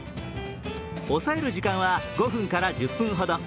押さえる時間は５分から１０分ほど。